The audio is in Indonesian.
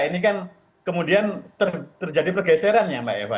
ini kan kemudian terjadi pergeseran ya mbak eva